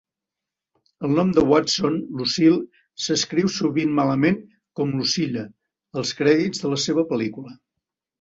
El nom de Watson, Lucile, s'escriu sovint malament com Lucille, als crèdits de la seva pel·lícula